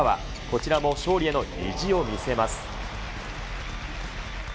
こちらも勝利への意地を見せます。